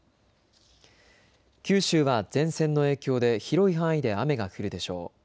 九州は前線の影響で広い範囲で雨が降るでしょう。